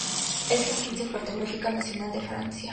Es la agencia cartográfica nacional de Francia.